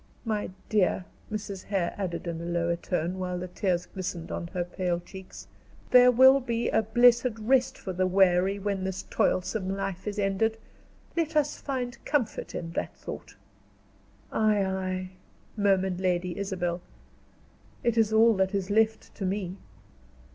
My dear," Mrs. Hare added, in a lower tone, while the tears glistened on her pale cheeks, "there will be a blessed rest for the weary, when this toilsome life is ended; let us find comfort in that thought." "Ay! Ay!" murmured Lady Isabel. "It is all that is left to me."